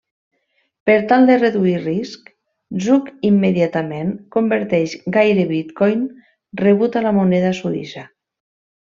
Per tal de reduir risc, Zug immediatament converteix gaire bitcoin rebut a la moneda suïssa.